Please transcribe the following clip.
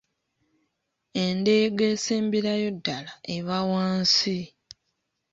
Endeega esemberayo ddala eba wansi.